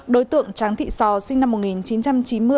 đối tượng tráng thị sò sinh năm một nghìn chín trăm chín mươi